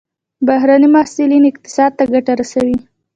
بهرني محصلین اقتصاد ته ګټه رسوي.